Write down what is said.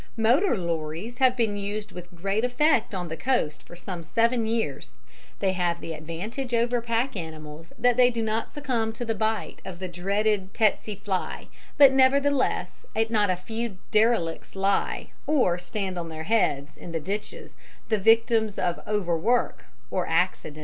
Motor lorries have been used with great effect on the coast for some seven years; they have the advantage over pack animals that they do not succumb to the bite of the dreaded tsetse fly, but nevertheless not a few derelicts lie, or stand on their heads, in the ditches, the victims of over work or accident.